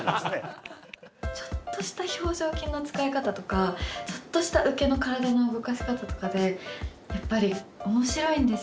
ちょっとした表情筋の使い方とかちょっとした受けの体の動かし方とかでやっぱり面白いんですよ。